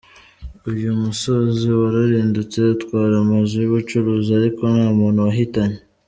Uyu musozi wararidutse utwara amazu y’ubucuruzi ariko nta muntu wahitanye.